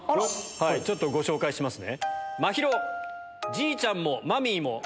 ちょっとご紹介しますね。